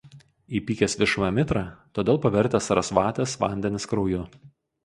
Įpykęs Višvamitra todėl pavertęs Sarasvatės vandenis krauju.